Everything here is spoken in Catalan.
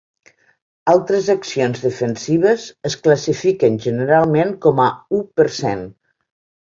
Altres accions defensives es classifiquen generalment com a "u per cent".